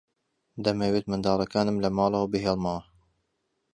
دەمەوێت منداڵەکانم لە ماڵەوە بهێڵمەوە.